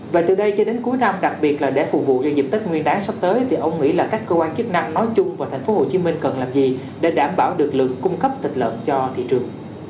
và từ đây cho đến cuối năm đặc biệt là để phục vụ cho dịp tết nguyên đáng sắp tới thì ông nghĩ là các cơ quan chức năng nói chung vào thành phố hồ chí minh cần làm gì để đảm bảo được lượng cung cấp thịt lợn cho thị trường